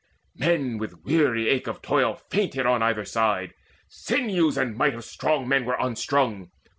Men with weary ache of toil Fainted on either side; sinews and might Of strong men were unstrung.